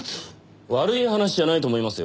悪い話じゃないと思いますよ。